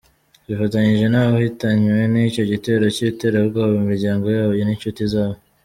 "Twifatanyije n'abahitanywe n'icyo gitero cy'iterabwoba, imiryango yabo n'inshuti zabo".